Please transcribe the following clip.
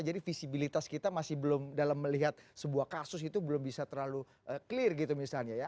jadi visibilitas kita masih belum dalam melihat sebuah kasus itu belum bisa terlalu clear gitu misalnya ya